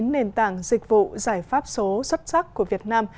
một trăm sáu mươi chín nền tảng dịch vụ giải pháp số xuất sắc của việt nam